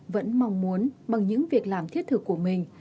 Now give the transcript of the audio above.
vẫn mong muốn bằng những việc làm thiết thực của mình